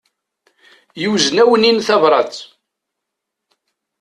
Yuzen-awen-in tabrat.